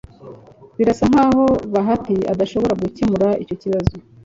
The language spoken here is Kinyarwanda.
Birasa nkaho Bahati adashobora gukemura icyo kibazo